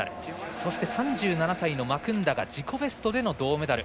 そして、３７歳のマクンダが自己ベストでの銅メダル。